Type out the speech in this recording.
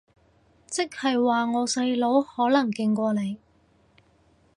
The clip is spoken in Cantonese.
即係話我細佬可能勁過你